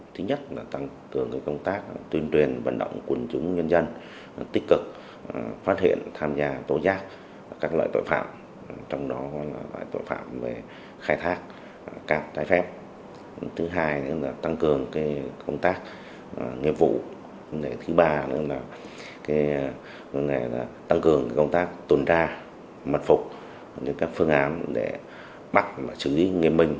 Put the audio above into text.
thứ ba là tăng cường công tác tuần tra mật phục các phương án để bắt xử lý nghiệp minh